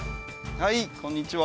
はいこんにちは。